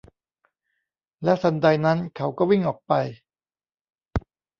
แล้วทันใดนั้นเขาก็วิ่งออกไป